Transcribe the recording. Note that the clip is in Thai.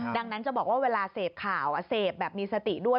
ดังนั้นจะบอกว่าเวลาเสพข่าวเสพแบบมีสติด้วย